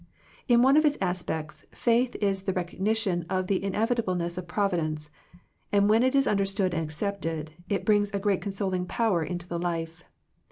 In one of its aspects, faith is the recog nition of the inevitabieness of providence; and when it is understood and accepted, it brings a great consoling power into the life.